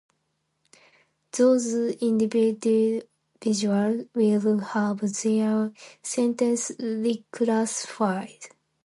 Those individuals will have their sentences reclassified.